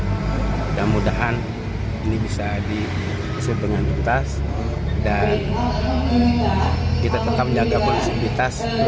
dan mudah mudahan ini bisa diusir dengan betas dan kita tetap menjaga kualitas